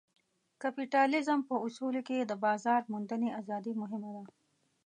کپیټالیزم په اصولو کې د بازار موندنې ازادي مهمه ده.